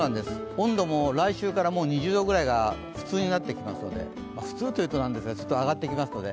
温度も来週から２０度ぐらいが普通になってきますので普通というと何ですが上がっていきますので。